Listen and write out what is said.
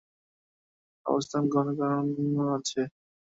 আমেরিকার জন্য অবশ্য ইরানের সঙ্গে নমনীয় অবস্থান গ্রহণের অন্য কারণও আছে।